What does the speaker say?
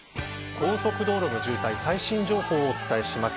高速道路の渋滞最新情報をお伝えします。